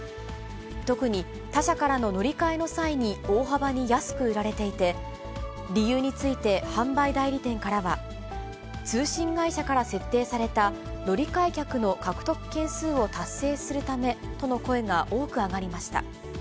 特に他社からの乗り換えの際に、大幅に安く売られていて、理由について販売代理店からは、通信会社から設定された、乗り換え客の獲得件数を達成するためとの声が多く上がりました。